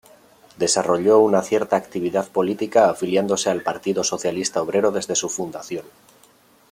Desarrolló una cierta actividad política afiliándose al Partido Socialista Obrero desde su fundación.